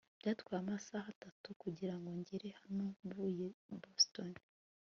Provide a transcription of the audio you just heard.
byantwaye amasaha atatu kugirango ngere hano mvuye i boston